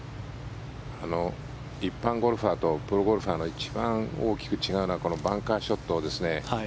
一般ゴルファーとプロゴルファーの一番大きく違うのはこのバンカーショットをですね